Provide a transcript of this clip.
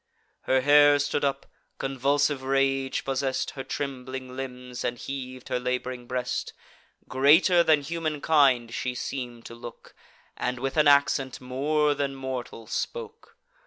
Her hair stood up; convulsive rage possess'd Her trembling limbs, and heav'd her lab'ring breast. Greater than humankind she seem'd to look, And with an accent more than mortal spoke.